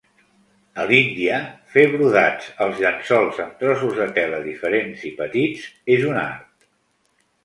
A l'Índia, fer brodats als llençols amb trossos de tela diferents i petits és un art.